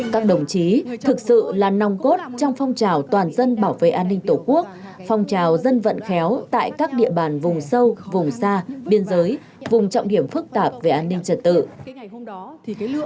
các đồng chí thực sự là nòng cốt trong phong trào toàn dân bảo vệ an ninh tổ quốc phong trào dân vận khéo tại các địa bàn vùng sâu vùng xa biên giới vùng trọng điểm phức tạp về an ninh trật tự